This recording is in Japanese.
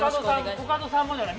コカドさんもじゃない。